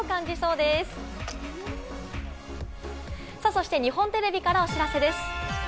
そして日本テレビからお知らせです。